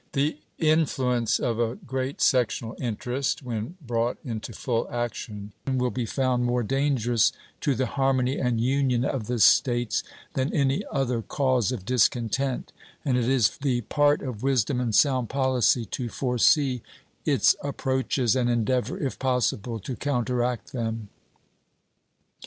The influence of a great sectional interest, when brought into full action, will be found more dangerous to the harmony and union of the States than any other cause of discontent, and it is the part of wisdom and sound policy to foresee its approaches and endeavor if possible to counteract them.